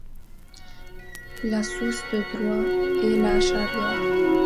La source de droit est la Charia.